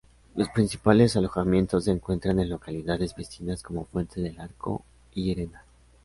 Los principales alojamientos se encuentran en localidades vecinas como Fuente del Arco y Llerena.